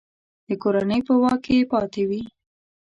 د کورنۍ په واک کې پاته وي.